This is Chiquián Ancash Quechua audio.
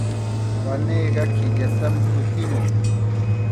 Paniiqa killatam kutimun.